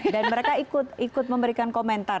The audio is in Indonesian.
dan mereka ikut memberikan komentar